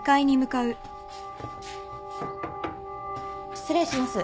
失礼します。